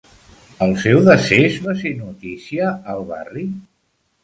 El seu decés va ser notícia al barri?